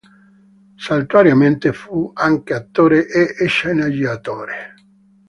Saltuariamente, fu anche attore e sceneggiatore.